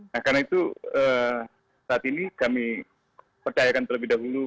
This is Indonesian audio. karena itu saat ini kami percayakan terlebih dahulu